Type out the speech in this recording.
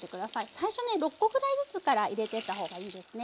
最初ね６コぐらいずつから入れてったほうがいいですね。